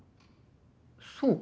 そう？